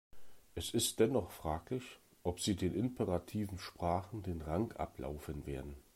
Es ist dennoch fraglich, ob sie den imperativen Sprachen den Rang ablaufen werden.